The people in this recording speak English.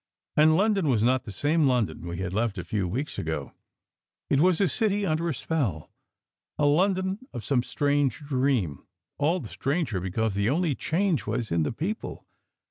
And London was not the same London we had left a few w r eeks ago. It was a city under a spell, a London of some strange dream, all the stranger because the only change was in the people.